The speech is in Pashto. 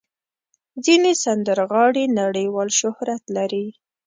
ځینې سندرغاړي نړیوال شهرت لري.